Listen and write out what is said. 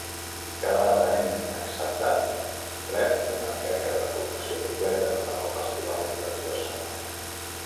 Cada aprenent acceptat rep una beca de formació completa per al festival de dues setmanes.